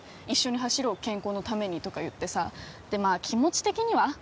一緒に走ろう健康のためにとか言ってさでまあ気持ち的には？